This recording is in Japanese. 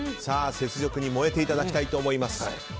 雪辱に燃えていただきたいと思います。